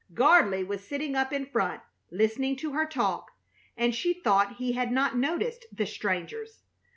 Gardley was sitting up in front, listening to her talk, and she thought he had not noticed the strangers.